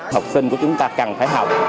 học sinh của chúng ta cần phải học